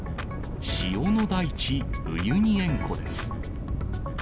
塩の大地、ウユニ塩湖です。